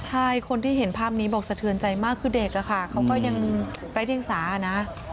ใช่คนที่เห็นภาพนี้บอกสะเทือนใจมากคือเด็กอะค่ะเขาก็ยังไร้เดียงสานะ